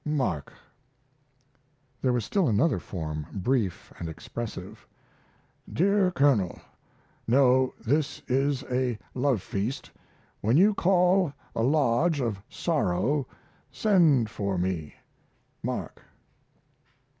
MARK. There was still another form, brief and expressive: DEAR COLONEL, No, this is a love feast; when you call a lodge of sorrow send for me. MARK.